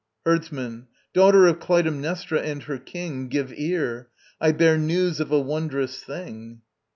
HERDSMAN. Daughter of Clytemnestra and her king, Give ear! I bear news of a wondrous thing.